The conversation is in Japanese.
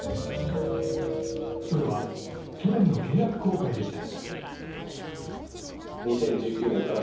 それは、去年の契約更改でした。